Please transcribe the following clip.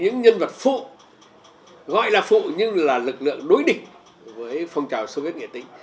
những nhân vật phụ gọi là phụ nhưng là lực lượng đối địch với phong trào soviet nghĩa tính